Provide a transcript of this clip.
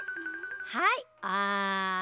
はいあん。